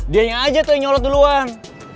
dia yang aja tuh yang nyolot duluan